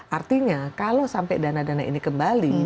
artinya kalau sampai dana dana ini kembali